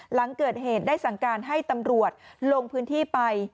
หลังเกิดเหตุได้สั่งการให้ตำรวจลงพื้นที่ไป